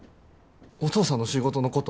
お父さんの仕事のこと